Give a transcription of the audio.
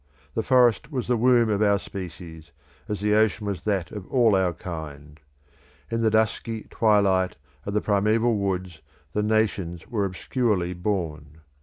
The forest was the womb of our species, as the ocean was that of all our kind. In the dusky twilight of the primeval woods the nations were obscurely born.